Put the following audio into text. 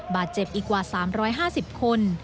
บาดเจ็บอีกกว่า๓๕๐คน